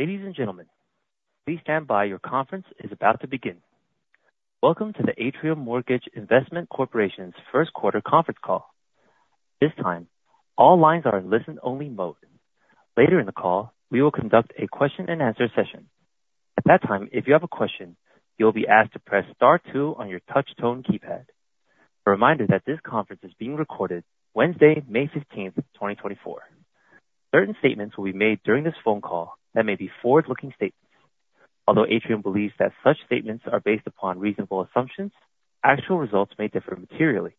Ladies and gentlemen, please stand by. Your conference is about to begin. Welcome to the Atrium Mortgage Investment Corporation's First Quarter Conference Call. This time, all lines are in listen-only mode. Later in the call, we will conduct a question-and-answer session. At that time, if you have a question, you will be asked to press star two on your touch-tone keypad. A reminder that this conference is being recorded Wednesday, May 15th, 2024. Certain statements will be made during this phone call that may be forward-looking statements. Although Atrium believes that such statements are based upon reasonable assumptions, actual results may differ materially.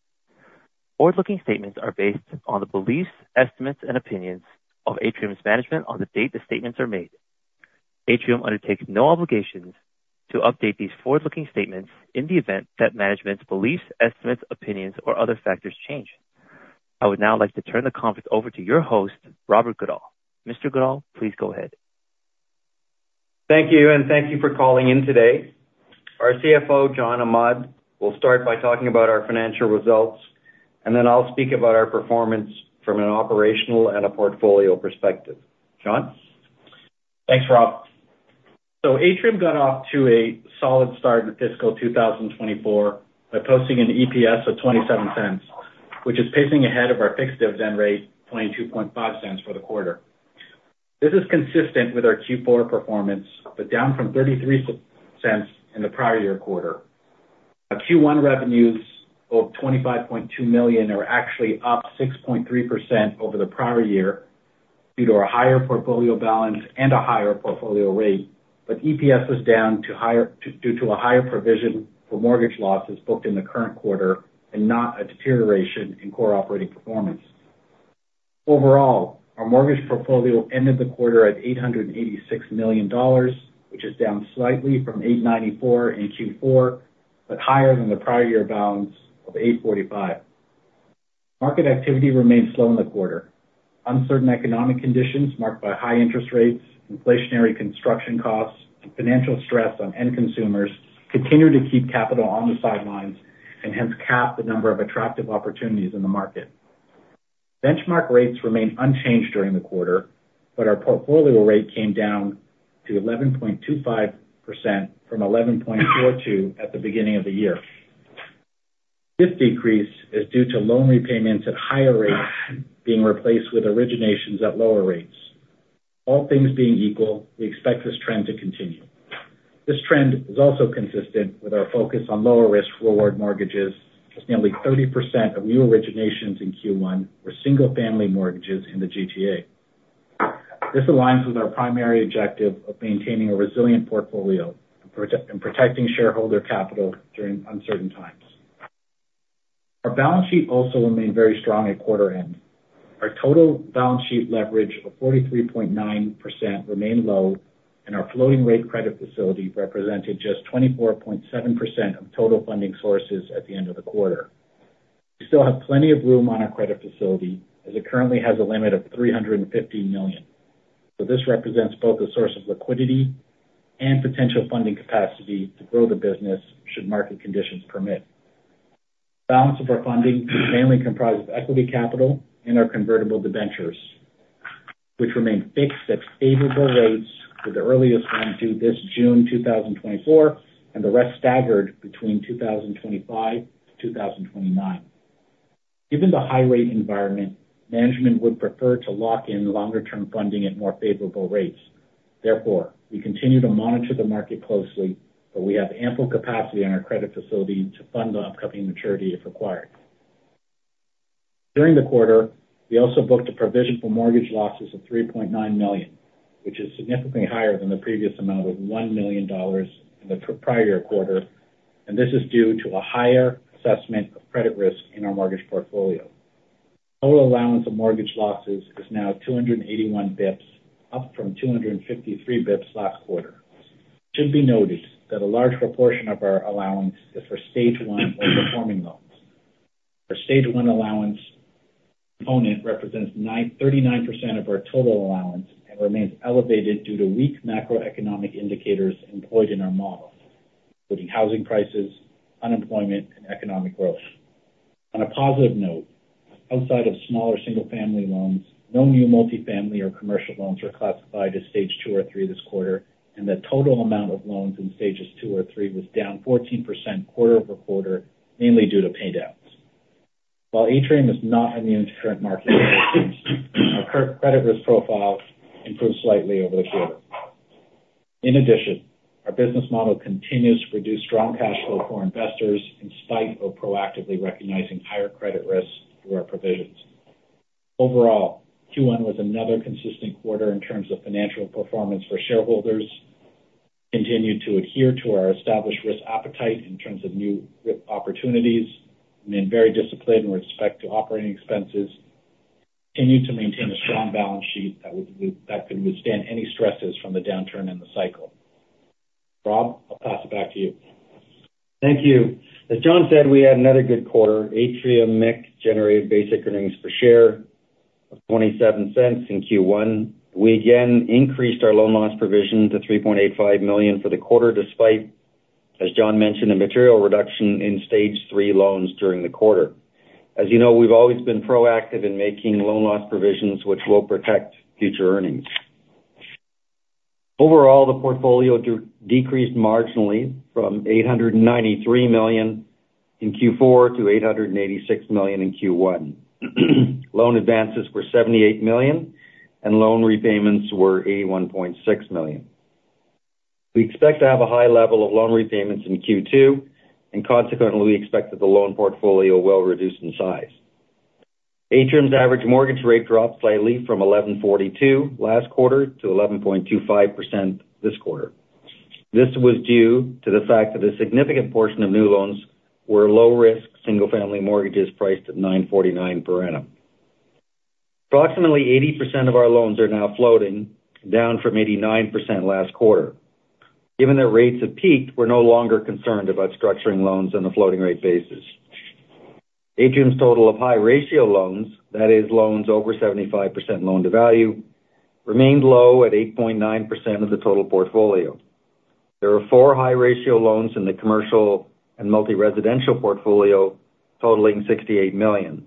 Forward-looking statements are based on the beliefs, estimates, and opinions of Atrium's management on the date the statements are made. Atrium undertakes no obligations to update these forward-looking statements in the event that management's beliefs, estimates, opinions, or other factors change. I would now like to turn the conference over to your host, Robert Goodall. Mr. Goodall, please go ahead. Thank you, and thank you for calling in today. Our CFO, John Ahmad, will start by talking about our financial results, and then I'll speak about our performance from an operational and a portfolio perspective. John? Thanks, Rob. So Atrium got off to a solid start in fiscal 2024 by posting an EPS of 0.27, which is pacing ahead of our fixed dividend rate, 0.225 for the quarter. This is consistent with our Q4 performance, but down from 0.33 in the prior year quarter. Our Q1 revenues of 25.2 million are actually up 6.3% over the prior year due to our higher portfolio balance and a higher portfolio rate, but EPS is down due to a higher provision for mortgage losses booked in the current quarter and not a deterioration in core operating performance. Overall, our mortgage portfolio ended the quarter at 886 million dollars, which is down slightly from 894 in Q4, but higher than the prior year balance of 845. Market activity remained slow in the quarter. Uncertain economic conditions marked by high interest rates, inflationary construction costs, and financial stress on end consumers continued to keep capital on the sidelines and hence cap the number of attractive opportunities in the market. Benchmark rates remained unchanged during the quarter, but our portfolio rate came down to 11.25% from 11.42 at the beginning of the year. This decrease is due to loan repayments at higher rates being replaced with originations at lower rates. All things being equal, we expect this trend to continue. This trend is also consistent with our focus on lower-risk reward mortgages. Nearly 30% of new originations in Q1 were single-family mortgages in the GTA. This aligns with our primary objective of maintaining a resilient portfolio and and protecting shareholder capital during uncertain times. Our balance sheet also remained very strong at quarter end. Our total balance sheet leverage of 43.9% remained low, and our floating rate credit facility represented just 24.7% of total funding sources at the end of the quarter. We still have plenty of room on our credit facility, as it currently has a limit of 350 million. So this represents both a source of liquidity and potential funding capacity to grow the business should market conditions permit. The balance of our funding is mainly comprised of equity capital and our convertible debentures, which remain fixed at favorable rates, with the earliest one due this June 2024, and the rest staggered between 2025 to 2029. Given the high-rate environment, management would prefer to lock in longer-term funding at more favorable rates. Therefore, we continue to monitor the market closely, but we have ample capacity on our credit facility to fund the upcoming maturity, if required. During the quarter, we also booked a provision for mortgage losses of 3.9 million, which is significantly higher than the previous amount of 1 million dollars in the prior quarter, and this is due to a higher assessment of credit risk in our mortgage portfolio. Total allowance of mortgage losses is now 281 bps, up from 253 bps last quarter. It should be noted that a large proportion of our allowance is for Stage 1 of performing loans. Our Stage 1 allowance component represents 93.9% of our total allowance and remains elevated due to weak macroeconomic indicators employed in our model, including housing prices, unemployment, and economic growth. On a positive note, outside of smaller single-family loans, no new multifamily or commercial loans were classified as Stage 2 or 3 this quarter, and the total amount of loans in stages two or three was down 14% quarter-over-quarter, mainly due to paydowns. While Atrium is not immune to current market, credit risk profile improved slightly over the quarter. In addition, our business model continues to produce strong cash flow for investors, in spite of proactively recognizing higher credit risks through our provisions. Overall, Q1 was another consistent quarter in terms of financial performance for shareholders, continued to adhere to our established risk appetite in terms of new risk opportunities, and been very disciplined with respect to operating expenses, continued to maintain a strong balance sheet that can withstand any stresses from the downturn in the cycle. Rob, I'll pass it back to you. Thank you. As John said, we had another good quarter. Atrium MIC generated basic earnings per share of 0.27 in Q1. We again increased our loan loss provision to 3.85 million for the quarter, despite. As John mentioned, a material reduction in Stage 3 loans during the quarter. As you know, we've always been proactive in making loan loss provisions, which will protect future earnings. Overall, the portfolio decreased marginally from 893 million in Q4 to 886 million in Q1. Loan advances were 78 million, and loan repayments were 81.6 million. We expect to have a high level of loan repayments in Q2, and consequently, we expect that the loan portfolio will reduce in size. Atrium's average mortgage rate dropped slightly from 11.42% last quarter to 11.25% this quarter. This was due to the fact that a significant portion of new loans were low-risk, single-family mortgages priced at 9.49% per annum. Approximately 80% of our loans are now floating, down from 89% last quarter. Given that rates have peaked, we're no longer concerned about structuring loans on a floating-rate basis. Atrium's total of high-ratio loans, that is, loans over 75% loan-to-value, remained low at 8.9% of the total portfolio. There are four high-ratio loans in the commercial and multi-residential portfolio, totaling 68 million,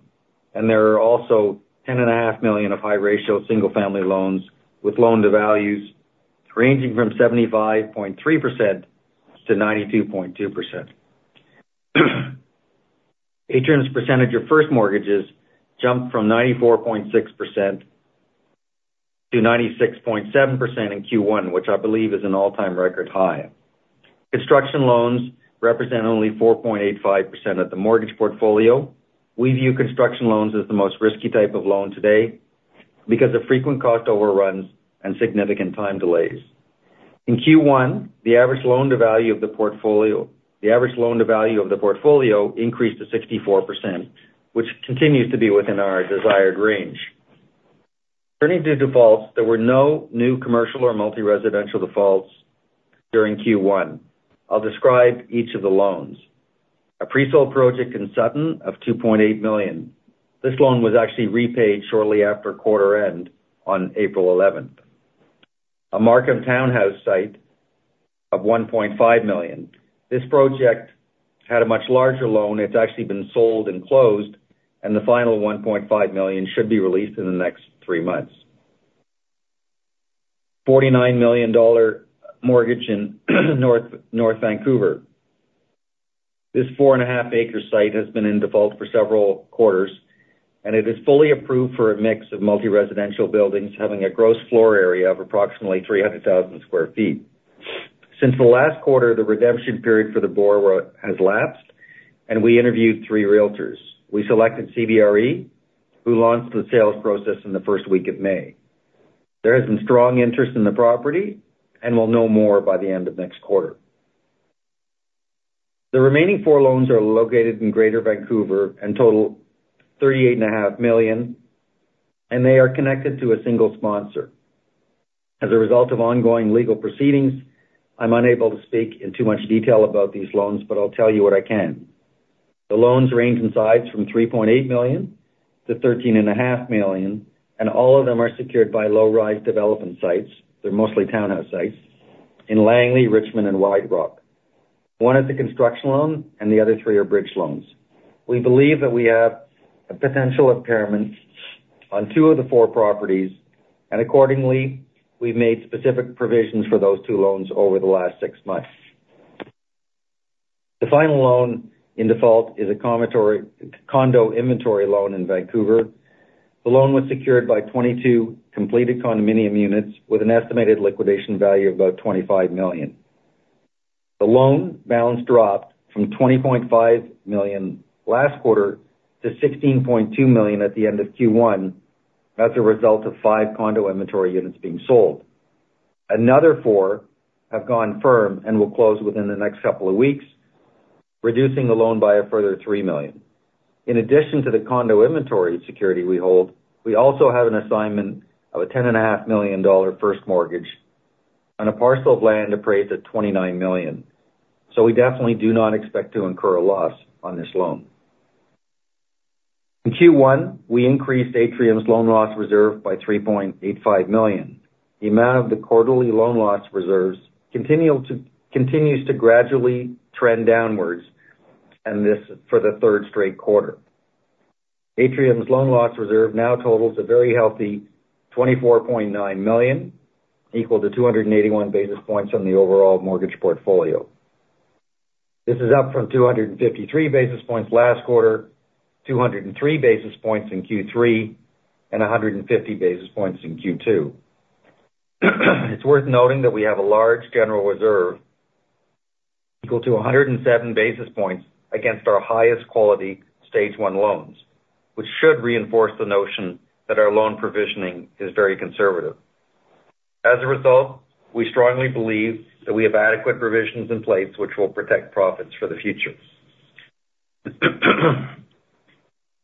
and there are also 10.5 million of high-ratio single-family loans, with loan-to-values ranging from 75.3%-92.2%. Atrium's percentage of first mortgages jumped from 94.6% to 96.7% in Q1, which I believe is an all-time record high. Construction loans represent only 4.85% of the mortgage portfolio. We view construction loans as the most risky type of loan today because of frequent cost overruns and significant time delays. In Q1, the average loan-to-value of the portfolio increased to 64%, which continues to be within our desired range. Turning to defaults, there were no new commercial or multi-residential defaults during Q1. I'll describe each of the loans. A presold project in Sutton of 2.8 million. This loan was actually repaid shortly after quarter end on April 11th. A Markham townhouse site of 1.5 million. This project had a much larger loan. It's actually been sold and closed, and the final 1.5 million should be released in the next three months. 49 million dollar mortgage in North Vancouver. This 4.5-acre site has been in default for several quarters, and it is fully approved for a mix of multi-residential buildings, having a gross floor area of approximately 300,000 sq ft. Since the last quarter, the redemption period for the borrower has lapsed, and we interviewed three realtors. We selected CBRE, who launched the sales process in the first week of May. There is some strong interest in the property, and we'll know more by the end of next quarter. The remaining four loans are located in Greater Vancouver and total 38.5 million, and they are connected to a single sponsor. As a result of ongoing legal proceedings, I'm unable to speak in too much detail about these loans, but I'll tell you what I can. The loans range in size from 3.8 million to 13.5 million, and all of them are secured by low-rise development sites, they're mostly townhouse sites, in Langley, Richmond, and White Rock. One is a construction loan, and the other three are bridge loans. We believe that we have a potential impairment on two of the four properties, and accordingly, we've made specific provisions for those two loans over the last six months. The final loan in default is a condo inventory loan in Vancouver. The loan was secured by 22 completed condominium units with an estimated liquidation value of about 25 million. The loan balance dropped from 20.5 million last quarter to 16.2 million at the end of Q1 as a result of five condo inventory units being sold. Another four have gone firm and will close within the next couple of weeks, reducing the loan by a further 3 million. In addition to the condo inventory security we hold, we also have an assignment of a 10.5 million dollar first mortgage on a parcel of land appraised at 29 million. So we definitely do not expect to incur a loss on this loan. In Q1, we increased Atrium's loan loss reserve by 3.85 million. The amount of the quarterly loan loss reserves continues to gradually trend downwards, and this for the third straight quarter. Atrium's loan loss reserve now totals a very healthy 24.9 million, equal to 281 basis points on the overall mortgage portfolio. This is up from 253 basis points last quarter, 203 basis points in Q3, and 150 basis points in Q2. It's worth noting that we have a large general reserve equal to 107 basis points against our highest quality Stage 1 loans, which should reinforce the notion that our loan provisioning is very conservative. As a result, we strongly believe that we have adequate provisions in place which will protect profits for the future.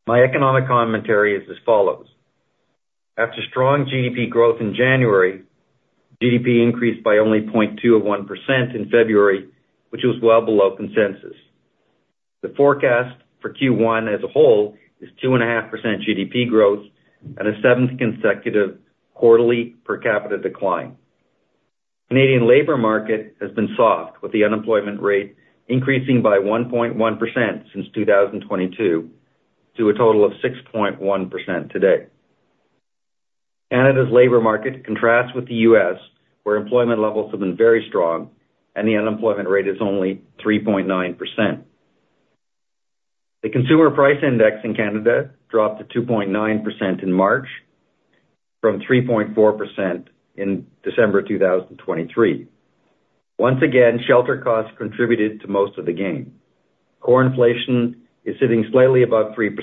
My economic commentary is as follows: After strong GDP growth in January, GDP increased by only 0.2% in February, which was well below consensus. The forecast for Q1 as a whole is 2.5% GDP growth and a seventh consecutive quarterly per capita decline. Canadian labor market has been soft, with the unemployment rate increasing by 1.1% since 2022 to a total of 6.1% today. Canada's labor market contrasts with the U.S., where employment levels have been very strong and the unemployment rate is only 3.9%. The Consumer Price Index in Canada dropped to 2.9% in March, from 3.4% in December 2023. Once again, shelter costs contributed to most of the gain. Core inflation is sitting slightly above 3%,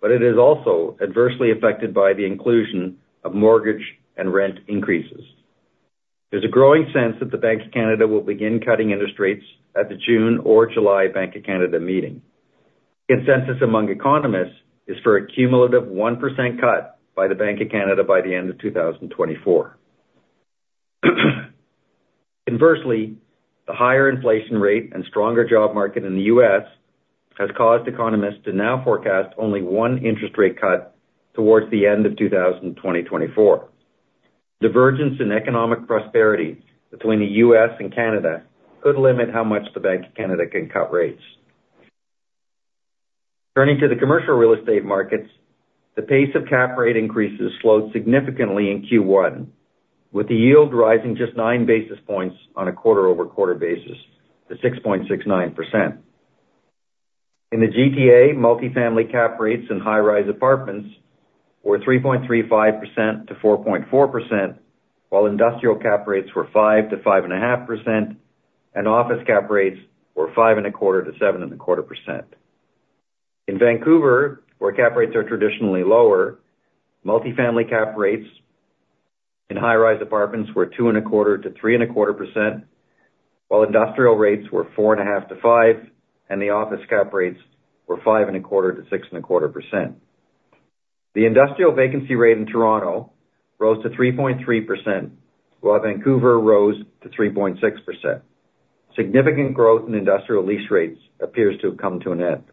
but it is also adversely affected by the inclusion of mortgage and rent increases. There's a growing sense that the Bank of Canada will begin cutting interest rates at the June or July Bank of Canada meeting. Consensus among economists is for a cumulative 1% cut by the Bank of Canada by the end of 2024. Inversely, the higher inflation rate and stronger job market in the U.S. has caused economists to now forecast only one interest rate cut towards the end of 2024. Divergence in economic prosperity between the U.S. and Canada could limit how much the Bank of Canada can cut rates. Turning to the commercial real estate markets, the pace of cap rate increases slowed significantly in Q1, with the yield rising just 9 basis points on a quarter-over-quarter basis to 6.69%. In the GTA, multifamily cap rates and high-rise apartments were 3.35%-4.4%, while industrial cap rates were 5%-5.5%, and office cap rates were 5.25%-7.25%. In Vancouver, where cap rates are traditionally lower, multifamily cap rates in high-rise apartments were 2.25%-3.25%, while industrial rates were 4.5%-5%, and the office cap rates were 5.25%-6.25%. The industrial vacancy rate in Toronto rose to 3.3%, while Vancouver rose to 3.6%. Significant growth in industrial lease rates appears to have come to an end.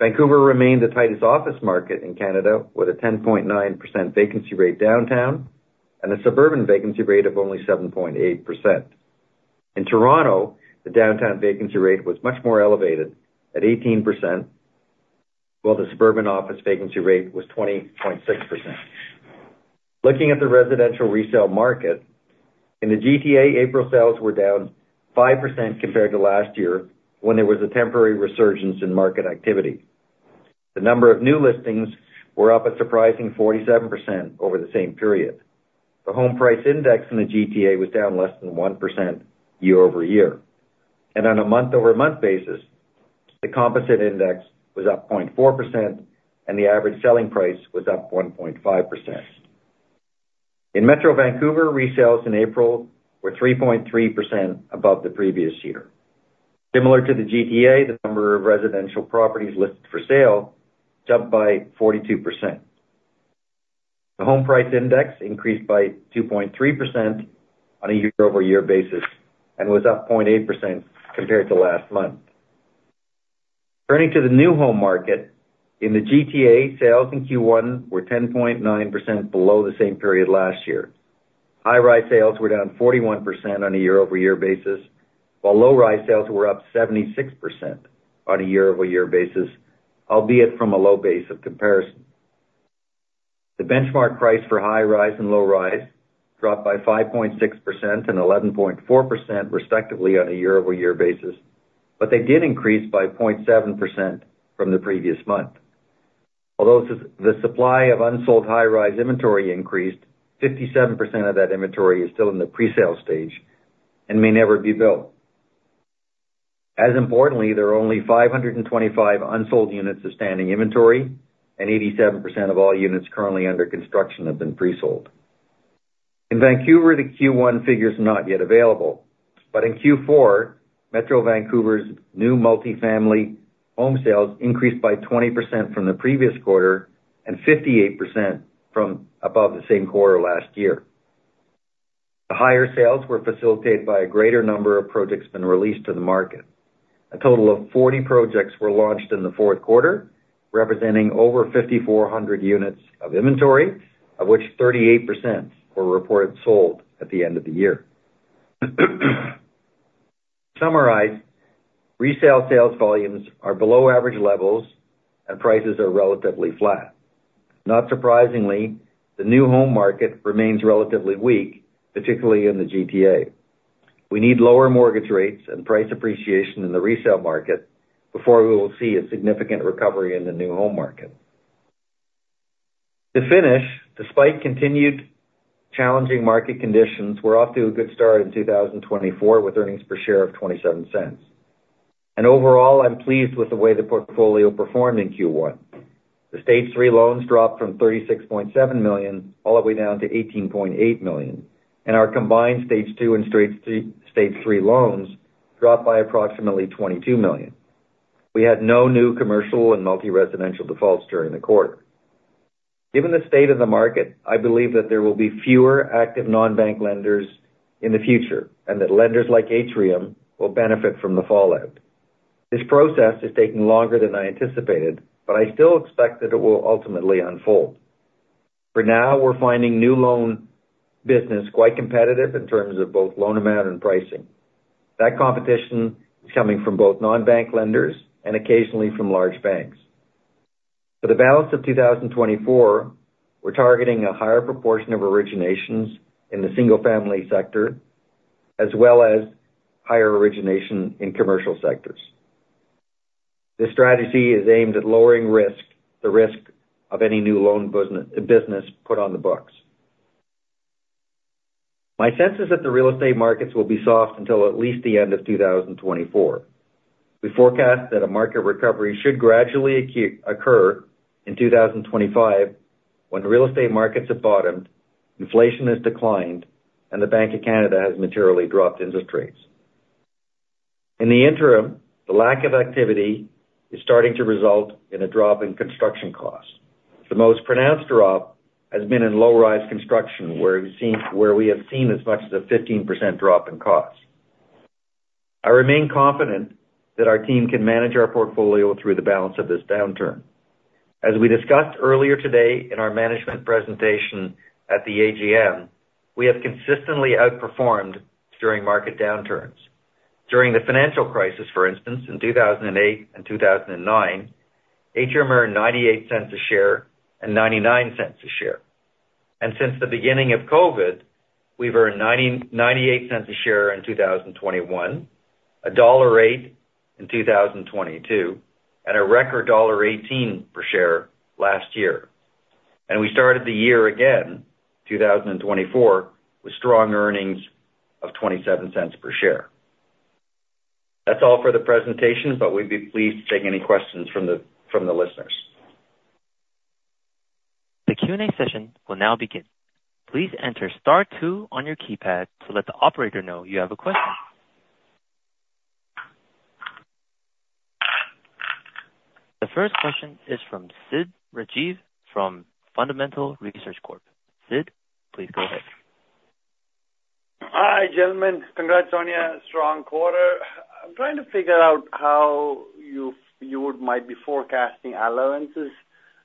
Vancouver remained the tightest office market in Canada, with a 10.9% vacancy rate downtown and a suburban vacancy rate of only 7.8%. In Toronto, the downtown vacancy rate was much more elevated at 18%, while the suburban office vacancy rate was 20.6%. Looking at the residential resale market, in the GTA, April sales were down 5% compared to last year, when there was a temporary resurgence in market activity. The number of new listings were up a surprising 47% over the same period. The home price index in the GTA was down less than 1% year-over-year, and on a month-over-month basis, the composite index was up 0.4%, and the average selling price was up 1.5%. In Metro Vancouver, resales in April were 3.3% above the previous year. Similar to the GTA, the number of residential properties listed for sale jumped by 42%. The home price index increased by 2.3% on a year-over-year basis and was up 0.8% compared to last month. Turning to the new home market, in the GTA, sales in Q1 were 10.9% below the same period last year. High-rise sales were down 41% on a year-over-year basis, while low-rise sales were up 76% on a year-over-year basis, albeit from a low base of comparison. The benchmark price for high rise and low rise dropped by 5.6% and 11.4%, respectively, on a year-over-year basis, but they did increase by 0.7% from the previous month. Although the supply of unsold high-rise inventory increased, 57% of that inventory is still in the presale stage and may never be built. As importantly, there are only 525 unsold units of standing inventory, and 87% of all units currently under construction have been presold. In Vancouver, the Q1 figures are not yet available, but in Q4, Metro Vancouver's new multifamily home sales increased by 20% from the previous quarter and 58% above the same quarter last year. The higher sales were facilitated by a greater number of projects being released to the market. A total of 40 projects were launched in the fourth quarter, representing over 5,400 units of inventory, of which 38% were reported sold at the end of the year. To summarize, resale sales volumes are below average levels, and prices are relatively flat. Not surprisingly, the new home market remains relatively weak, particularly in the GTA. We need lower mortgage rates and price appreciation in the resale market before we will see a significant recovery in the new home market. To finish, despite continued challenging market conditions, we're off to a good start in 2024, with earnings per share of 0.27. Overall, I'm pleased with the way the portfolio performed in Q1. The Stage 3 loans dropped from 36.7 million all the way down to 18.8 million, and our combined Stage 2 and Stage 3 loans dropped by approximately 22 million. We had no new commercial and multi-residential defaults during the quarter. Given the state of the market, I believe that there will be fewer active non-bank lenders in the future and that lenders like Atrium will benefit from the fallout. This process is taking longer than I anticipated, but I still expect that it will ultimately unfold. For now, we're finding new loan business quite competitive in terms of both loan amount and pricing. That competition is coming from both non-bank lenders and occasionally from large banks. For the balance of 2024, we're targeting a higher proportion of originations in the single-family sector, as well as higher origination in commercial sectors. This strategy is aimed at lowering risk, the risk of any new loan business put on the books. My sense is that the real estate markets will be soft until at least the end of 2024. We forecast that a market recovery should gradually occur in 2025, when the real estate markets have bottomed, inflation has declined, and the Bank of Canada has materially dropped interest rates. In the interim, the lack of activity is starting to result in a drop in construction costs. The most pronounced drop has been in low-rise construction, where we've seen as much as a 15% drop in costs. I remain confident that our team can manage our portfolio through the balance of this downturn. As we discussed earlier today in our management presentation at the AGM, we have consistently outperformed during market downturns. During the financial crisis, for instance, in 2008 and 2009, Atrium earned 0.98 a share and 0.99 a share. And since the beginning of COVID, we've earned 90, CAD 0.98 a share in 2021, dollar 1.08 in 2022, and a record dollar 1.18 per share last year. We started the year again, 2024, with strong earnings of 0.27 per share. That's all for the presentation, but we'd be pleased to take any questions from the listeners. The Q&A session will now begin. Please enter star two on your keypad to let the operator know you have a question. The first question is from Sid Rajeev from Fundamental Research Corp. Sid, please go ahead. Hi, gentlemen. Congrats on your strong quarter. I'm trying to figure out how you, you would might be forecasting allowances.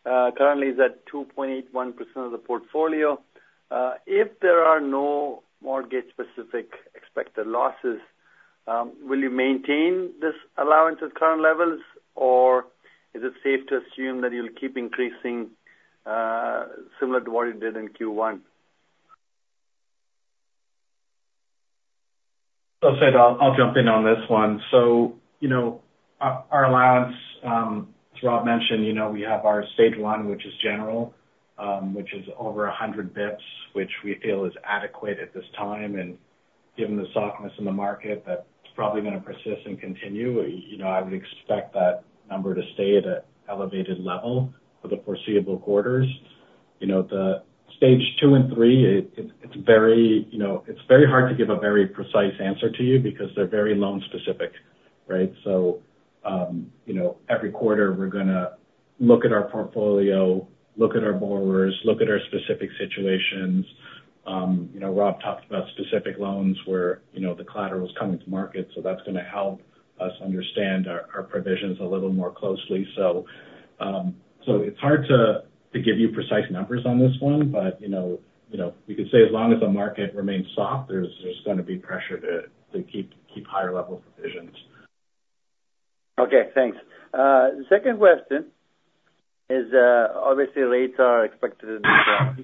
Currently, it's at 2.81% of the portfolio. If there are no mortgage-specific expected losses, will you maintain this allowance at current levels, or is it safe to assume that you'll keep increasing, similar to what you did in Q1? So Sid, I'll jump in on this one. So, you know, our allowance, as Rob mentioned, you know, we have our Stage 1, which is general, which is over 100 basis points, which we feel is adequate at this time. And given the softness in the market, that's probably gonna persist and continue. You know, I would expect that number to stay at an elevated level for the foreseeable quarters. You know, the Stage 2 and 3, it's very, you know, it's very hard to give a very precise answer to you because they're very loan-specific, right? So, you know, every quarter, we're gonna look at our portfolio, look at our borrowers, look at our specific situations. You know, Rob talked about specific loans where, you know, the collateral is coming to market, so that's gonna help us understand our provisions a little more closely. So, it's hard to give you precise numbers on this one, but, you know, you know, we could say as long as the market remains soft, there's gonna be pressure to keep higher level provisions. Okay, thanks. The second question is, obviously, rates are expected to drop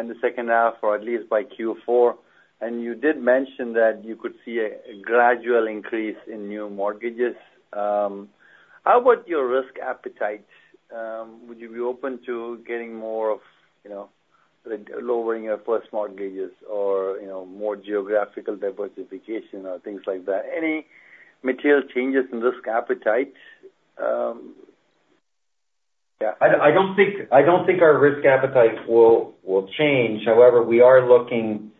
in the second half or at least by Q4, and you did mention that you could see a gradual increase in new mortgages. How about your risk appetite? Would you be open to getting more of, you know, lowering your first mortgages or, you know, more geographical diversification or things like that? Any material changes in risk appetite? Yeah, I don't think our risk appetite will change. However, we are looking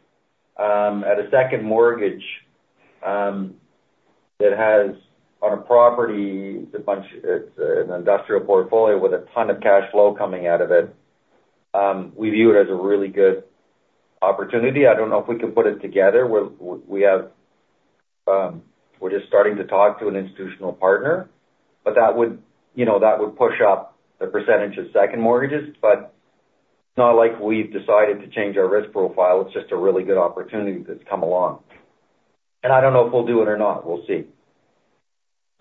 at a second mortgage that has on a property. It's a bunch—it's an industrial portfolio with a ton of cash flow coming out of it. We view it as a really good opportunity. I don't know if we can put it together. We're just starting to talk to an institutional partner, but that would, you know, that would push up the percentage of second mortgages, but it's not like we've decided to change our risk profile. It's just a really good opportunity that's come along. And I don't know if we'll do it or not. We'll see.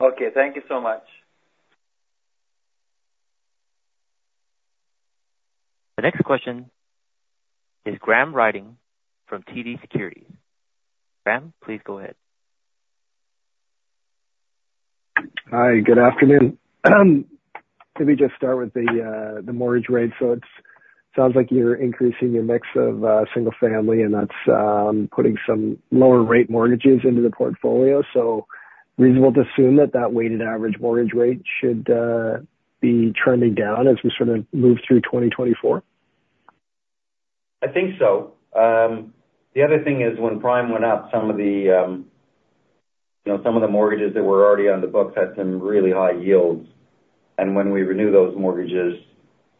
Okay. Thank you so much. The next question is Graham Ryding from TD Securities. Graham, please go ahead. Hi, good afternoon. Let me just start with the mortgage rate. So it's sounds like you're increasing your mix of single family, and that's putting some lower rate mortgages into the portfolio. So reasonable to assume that that weighted average mortgage rate should be trending down as we sort of move through 2024?... I think so. The other thing is, when prime went up, some of the, you know, some of the mortgages that were already on the books had some really high yields. And when we renew those mortgages,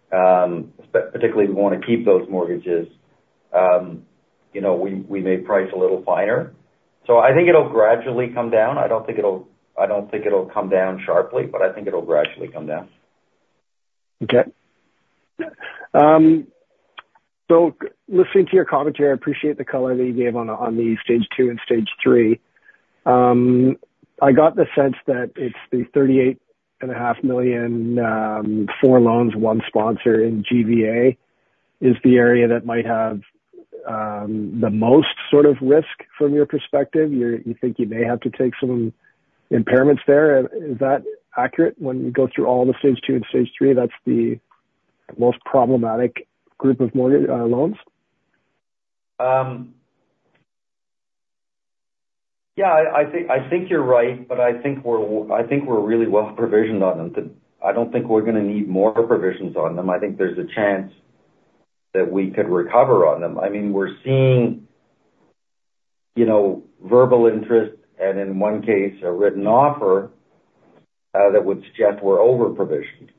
particularly, we want to keep those mortgages, you know, we may price a little finer. So I think it'll gradually come down. I don't think it'll come down sharply, but I think it'll gradually come down. Okay. So listening to your commentary, I appreciate the color that you gave on the, on the Stage 2 and Stage 3. I got the sense that it's the 38.5 million, 4 loans, 1 sponsor in GVA, is the area that might have the most sort of risk from your perspective. You're—you think you may have to take some impairments there. Is that accurate? When you go through all the Stage 2 and Stage 3, that's the most problematic group of mortgage loans. Yeah, I think you're right, but I think we're really well provisioned on them. I don't think we're gonna need more provisions on them. I think there's a chance that we could recover on them. I mean, we're seeing, you know, verbal interest and in one case, a written offer that would suggest we're over-provisioned.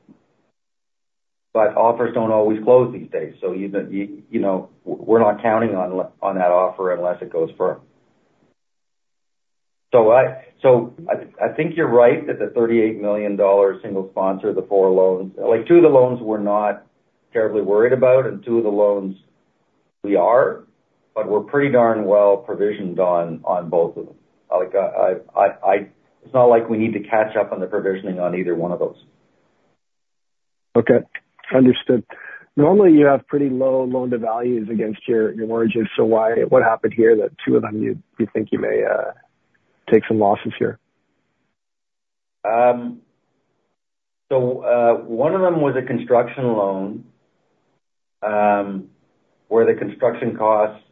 But offers don't always close these days. So even, you know, we're not counting on that offer unless it goes firm. So I think you're right that the 38 million dollar single sponsor, the 4 loans. Like, two of the loans we're not terribly worried about, and two of the loans we are, but we're pretty darn well provisioned on both of them. Like, I, I, I... It's not like we need to catch up on the provisioning on either one of those. Okay, understood. Normally, you have pretty low loan-to-values against your, your mortgages, so why—what happened here that two of them, you, you think you may take some losses here? So, one of them was a construction loan, where the construction costs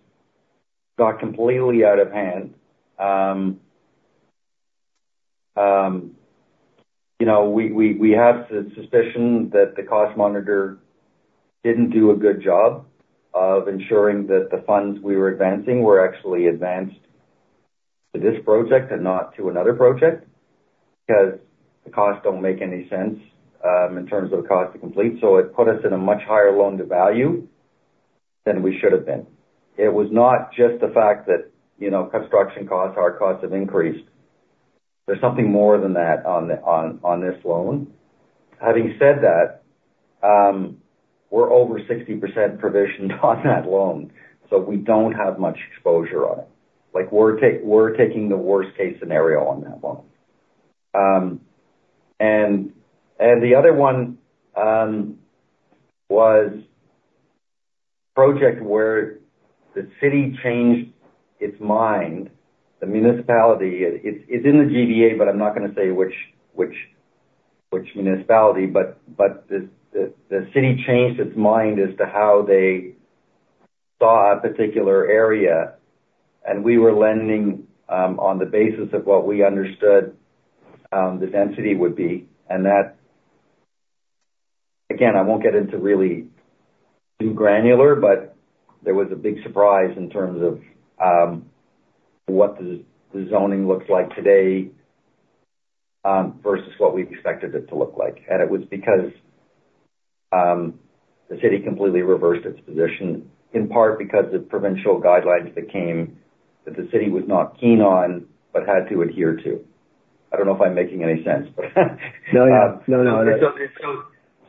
got completely out of hand. You know, we have the suspicion that the cost monitor didn't do a good job of ensuring that the funds we were advancing were actually advanced to this project and not to another project, because the costs don't make any sense, in terms of the cost to complete. So it put us in a much higher loan-to-value than we should have been. It was not just the fact that, you know, construction costs, our costs have increased. There's something more than that on this loan. Having said that, we're over 60% provisioned on that loan, so we don't have much exposure on it. Like, we're taking the worst case scenario on that loan. And the other one was project where the city changed its mind. The municipality, it's in the GVA, but I'm not gonna say which municipality, but the city changed its mind as to how they saw a particular area, and we were lending on the basis of what we understood the density would be. And that. Again, I won't get into really too granular, but there was a big surprise in terms of what the zoning looks like today versus what we've expected it to look like. And it was because the city completely reversed its position, in part because of provincial guidelines that came, that the city was not keen on, but had to adhere to. I don't know if I'm making any sense, but. No, no, no, no.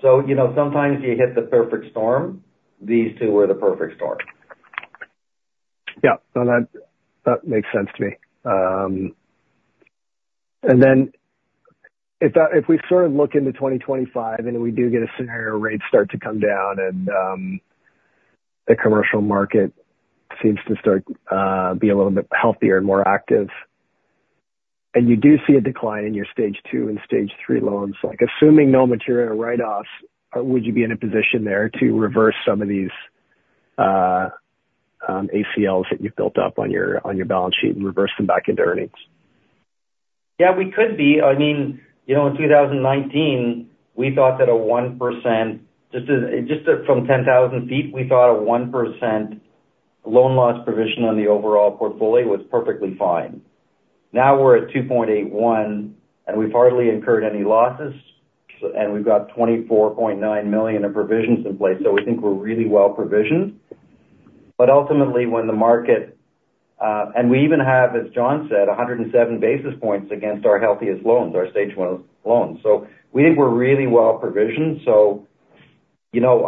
So, you know, sometimes you hit the perfect storm. These two were the perfect storm. Yeah. No, that makes sense to me. And then if that—if we sort of look into 2025, and we do get a scenario where rates start to come down and the commercial market seems to start be a little bit healthier and more active, and you do see a decline in your Stage 2 and Stage 3 loans, like, assuming no material write-offs, would you be in a position there to reverse some of these ACLs that you've built up on your balance sheet and reverse them back into earnings? Yeah, we could be. I mean, you know, in 2019, we thought that a 1%, Just as, just, from 10,000 feet, we thought a 1% loan loss provision on the overall portfolio was perfectly fine. Now, we're at 2.81, and we've hardly incurred any losses, and we've got 24.9 million in provisions in place, so we think we're really well provisioned. But ultimately, when the market... And we even have, as John said, 107 basis points against our healthiest loans, our Stage 1 loans. So we think we're really well provisioned. So, you know,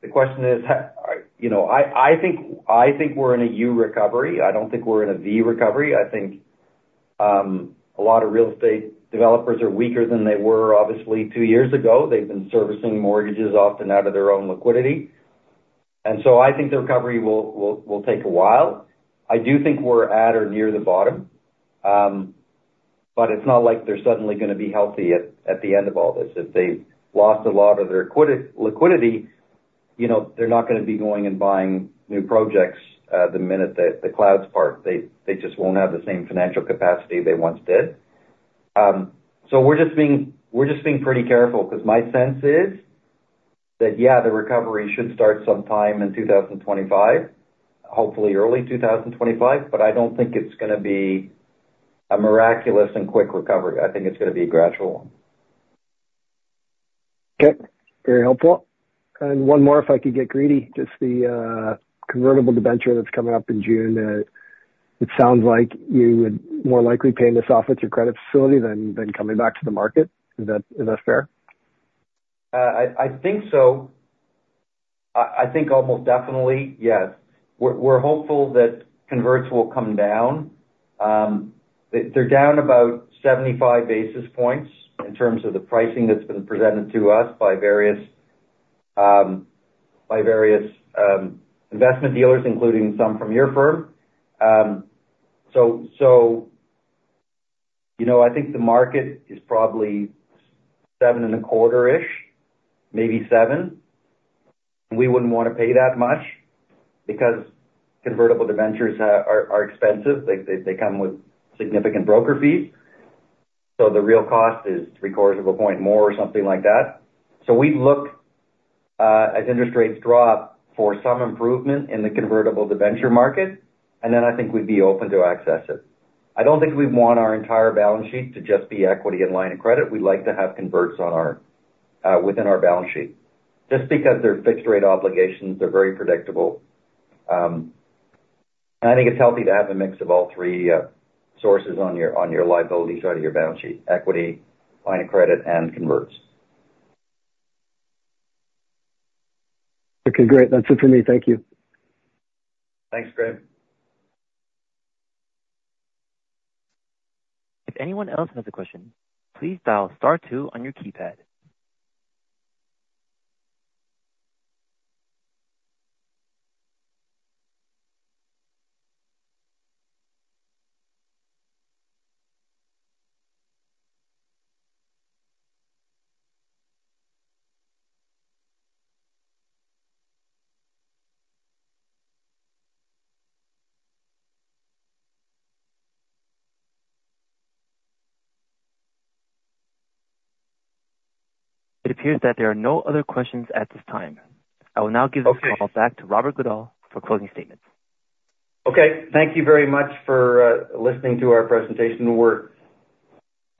the question is, you know, I think we're in a U recovery. I don't think we're in a V recovery. I think, a lot of real estate developers are weaker than they were, obviously, two years ago. They've been servicing mortgages often out of their own liquidity. And so I think the recovery will take a while. I do think we're at or near the bottom. But it's not like they're suddenly gonna be healthy at the end of all this. If they've lost a lot of their liquidity, you know, they're not gonna be going and buying new projects, the minute that the clouds part. They just won't have the same financial capacity they once did. So we're just being pretty careful, because my sense is that, yeah, the recovery should start sometime in 2025, hopefully early 2025, but I don't think it's gonna be a miraculous and quick recovery. I think it's gonna be a gradual one. Okay. Very helpful. One more, if I could get greedy, just the convertible debenture that's coming up in June. It sounds like you would more likely paying this off with your credit facility than coming back to the market. Is that fair? I think so. I think almost definitely, yes. We're hopeful that converts will come down. They're down about 75 basis points in terms of the pricing that's been presented to us by various investment dealers, including some from your firm. So, you know, I think the market is probably 7.25-ish, maybe 7, and we wouldn't want to pay that much because convertible debentures are expensive. They come with significant broker fees, so the real cost is 0.75 of a point more or something like that. So we look as interest rates drop for some improvement in the convertible debenture market, and then I think we'd be open to access it. I don't think we'd want our entire balance sheet to just be equity and line of credit. We'd like to have converts on our within our balance sheet, just because they're fixed rate obligations, they're very predictable. I think it's healthy to have a mix of all three sources on your liability side of your balance sheet, equity, line of credit, and converts. Okay, great. That's it for me. Thank you. Thanks, Graham. If anyone else has a question, please dial star two on your keypad. It appears that there are no other questions at this time. I will now give the call back to Robert Goodall for closing statements. Okay. Thank you very much for listening to our presentation. We're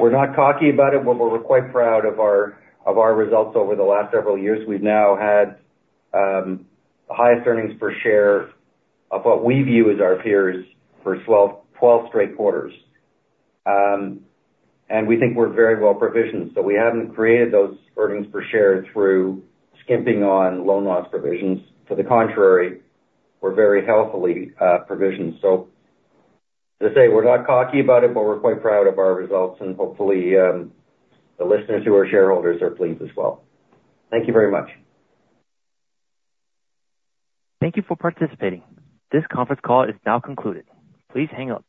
not cocky about it, but we're quite proud of our results over the last several years. We've now had the highest earnings per share of what we view as our peers for 12 straight quarters. And we think we're very well provisioned, so we haven't created those earnings per share through skimping on loan loss provisions. To the contrary, we're very healthily provisioned. So as I say, we're not cocky about it, but we're quite proud of our results, and hopefully the listeners who are shareholders are pleased as well. Thank you very much. Thank you for participating. This conference call is now concluded. Please hang up.